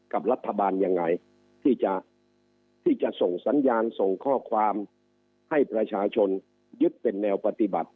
กับรัฐบาลยังไงที่จะที่จะส่งสัญญาณส่งข้อความให้ประชาชนยึดเป็นแนวปฏิบัติ